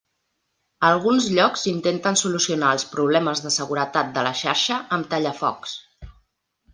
Alguns llocs intenten solucionar els problemes de seguretat de la xarxa amb tallafocs.